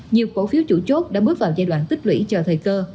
nhiều cổ phiếu chủ chốt đã bước vào giai đoạn tích lũy chờ thời cơ